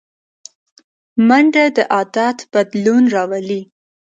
منډه د عادت بدلون راولي